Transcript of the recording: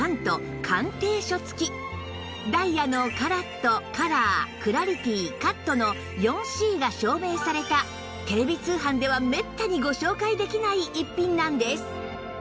ダイヤのカラットカラークラリティカットの ４Ｃ が証明されたテレビ通販ではめったにご紹介できない逸品なんです